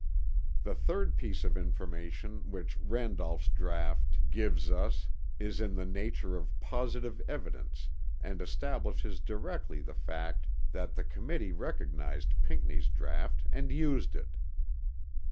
The third piece of information which Randolph's draught gives us is in the nature of positive evidence and establishes directly the fact that the Committee recognized Pinckney's draught and used it.